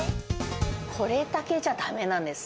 これだけじゃだめなんです。